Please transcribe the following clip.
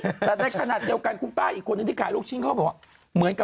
อืมแต่แบบคงไม่ถูกชะตาไหมหน้าแบบว่าหน้ากันมันหน้ามันหน้าไง